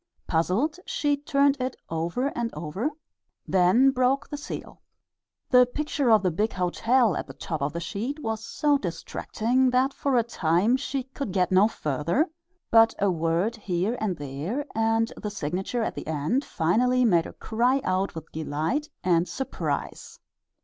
Puzzled, she turned it over and over, then broke the seal. The picture of the big hotel at the top of the sheet was so distracting that for a time she could get no further, but a word here and there and the signature at the end finally made her cry out with delight and surprise.